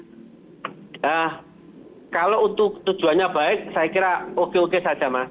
nah kalau untuk tujuannya baik saya kira oke oke saja mas